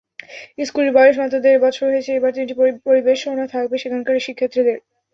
স্কুলটির বয়স মাত্র দেড় বছর হয়েছে, এবার তিনটি পরিবেশনা থাকবে সেখানকার শিক্ষার্থীদের।